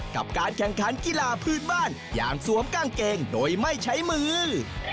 กับการแข่งขันกีฬาพื้นบ้านอย่างสวมกางเกงโดยไม่ใช้มือ